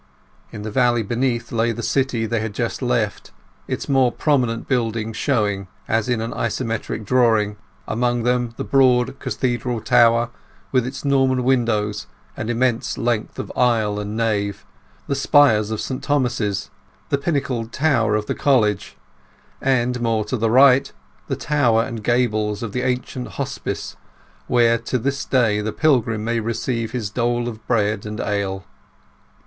In the valley beneath lay the city they had just left, its more prominent buildings showing as in an isometric drawing—among them the broad cathedral tower, with its Norman windows and immense length of aisle and nave, the spires of St Thomas's, the pinnacled tower of the College, and, more to the right, the tower and gables of the ancient hospice, where to this day the pilgrim may receive his dole of bread and ale.